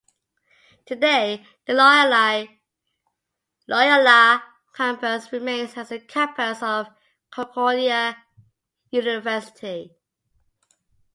Today, the Loyola Campus remains as a campus of Concordia University.